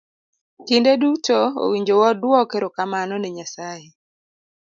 Kinde duto owinjo waduok erokamano ne nyasaye.